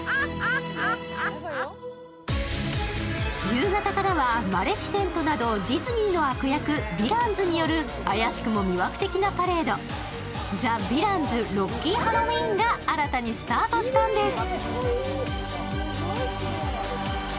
夕方からはマレフィセントなど、ディズニーの悪役、ヴィランズによる怪しくも魅惑的なパレード、ザ・ヴィランズ・ロッキン・ハロウィーンが新たにスタートしたんです。